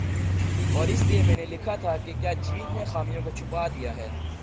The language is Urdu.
اور اسی لیے میں نے لکھا تھا کہ "کیا جیت نے خامیوں کو چھپا دیا ہے ۔